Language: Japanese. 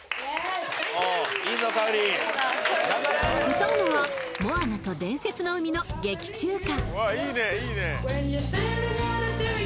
歌うのは「モアナと伝説の海」の劇中歌。